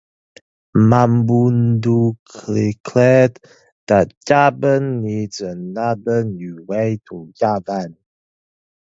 Mamboundou declared that "Gabon needs another new way to govern".